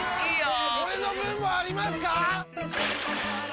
俺の分もありますか！？